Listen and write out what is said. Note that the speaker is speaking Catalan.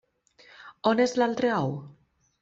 On és l’altre ou?